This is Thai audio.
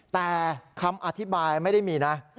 แต่คำอธิบายไม่ได้มีนะ